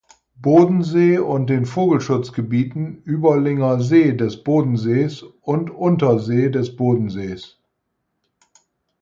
Bodensee und den Vogelschutzgebieten Überlinger See des Bodensees und Untersee des Bodensees.